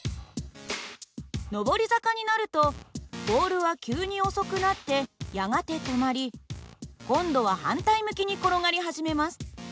上り坂になるとボールは急に遅くなってやがて止まり今度は反対向きに転がり始めます。